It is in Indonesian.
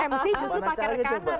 mc justru pakai rekanan ya teh